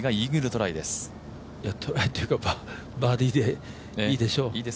トライというかバーディーでいいでしょう。